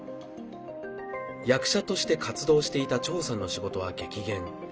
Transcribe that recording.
役者として活動していた趙さんの仕事は激減。